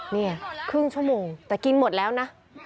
นี่ครึ่งชั่วโมงแต่กินหมดแล้วนะ